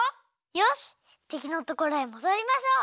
よしてきのところへもどりましょう！